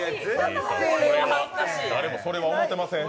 誰もそれは思ってません。